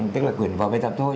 tức là cuốn vào bài tập thôi